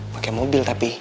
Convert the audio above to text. pakai mobil tapi